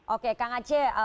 oke kang aceh